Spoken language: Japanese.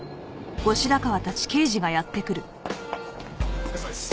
お疲れさまです。